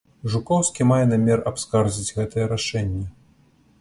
Жукоўскі мае намер абскардзіць гэтае рашэнне.